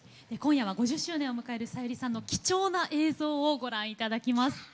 今夜は５０周年を迎えるさゆりさんの貴重な映像をご覧頂きます。